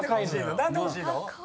何で欲しいの？